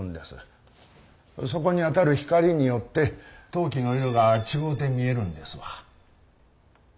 そこに当たる光によって陶器の色が違うて見えるんですわ。